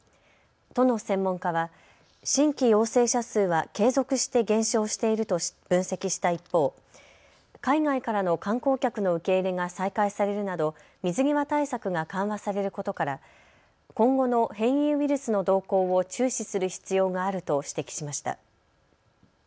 都の専門家は新規陽性者数は継続して減少しているとして分析した一方、海外からの観光客の受け入れが再開されるなど水際対策が緩和されることから今後の変異ウイルスの動向を注視する必要があると指摘しました。